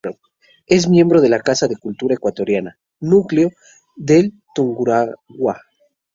Es miembro de la Casa de la Cultura Ecuatoriana, Núcleo del Tungurahua.